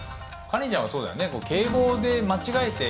カレンちゃんはそうだよね。